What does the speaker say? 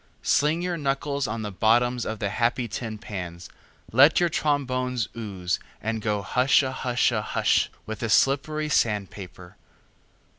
Sling your knuckles on the bottoms of the happy tin pans, let your trombones ooze, and go hushahusha hush with the slippery sand paper.